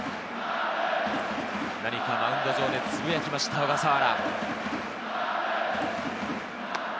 何かマウンド上でつぶやきました小笠原。